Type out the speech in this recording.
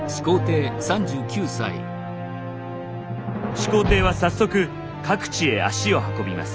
始皇帝は早速各地へ足を運びます。